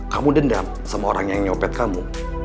kamu dendam sama orang yang nyopet kamu